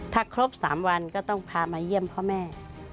ถ้าครบ๓วันก็ต้องพามาเยี่ยมพ่อแม่